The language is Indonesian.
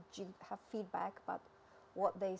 jika kita menjaga kehidupan yang menarik